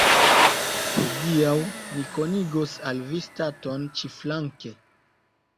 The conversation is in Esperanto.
Hodiaŭ ni konigos al vi staton ĉiflanke.